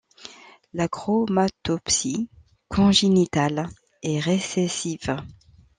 L'achromatopsie congénitale est récessive.